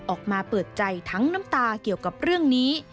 ออกมาเปิดใจทั้งน้ำตาเกี่ยวกับเรื่องนี้